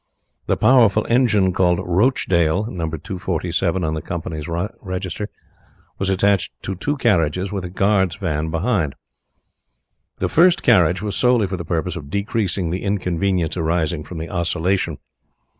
The powerful engine called Rochdale (No. 247 on the company's register) was attached to two carriages, with a guard's van behind. The first carriage was solely for the purpose of decreasing the inconvenience arising from the oscillation.